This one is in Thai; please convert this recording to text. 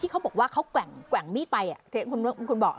ที่เขาบอกว่าเขาแกว่งแกว่งมีดไปอ่ะคุณคุณบอกอ่ะ